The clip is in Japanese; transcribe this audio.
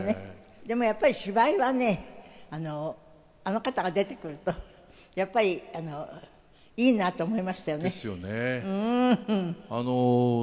でもやっぱり芝居はねあの方が出てくるとやっぱりいいなと思いましたよね。ですよね。